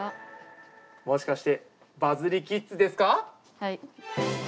もしかして、バズリキッズではい。